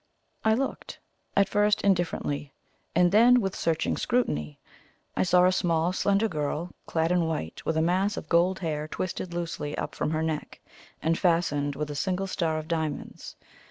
I looked, at first indifferently, and then with searching scrutiny. I saw a small, slender girl, clad in white, with a mass of gold hair twisted loosely up from her neck, and fastened with a single star of diamonds.